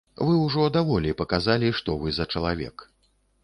Вы ўжо даволі паказалі, што вы за чалавек.